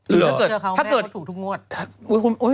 หรือถ้าเกิดถ้าเกิด